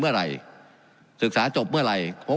การปรับปรุงทางพื้นฐานสนามบิน